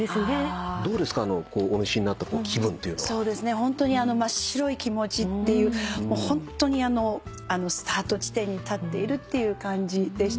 ホントに真っ白い気持ちっていうホントにスタート地点に立っているっていう感じでした。